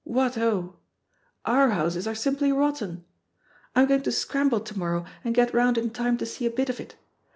What ho! {Our houses are simply rotten.) I'm going to scramble to morrow and get round in time to see a bit of it.